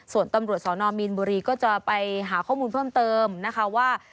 ส่วนตำรวจสนมีนบุรีก็จะไปหาข้อมูลเพิ่มเติมนะคะว่า